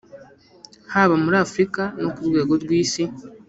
haba muri Afurika no ku rwego rw’isi